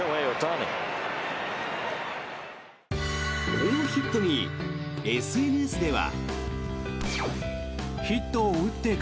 このヒットにＳＮＳでは。